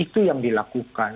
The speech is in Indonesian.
itu yang dilakukan